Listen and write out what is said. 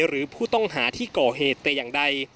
หรือผู้ต้องหาที่ก่อเหตุแต่อย่างใด